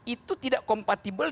itu tidak kompatibel